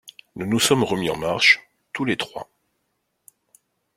Nous nous sommes remis en marche, tous les trois.